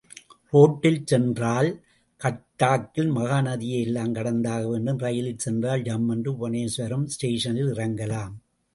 ரோட்டில் சென்றால், கட்டாக்கில் மகாநதியை எல்லாம் கடந்தாக வேண்டும், ரயிலில் சென்றால், ஜம்மென்று புவுனேஸ்வரம் ஸ்டேஷனிலே இறங்கலாம்.